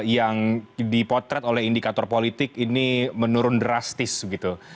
yang dipotret oleh indikator politik ini menurun drastis gitu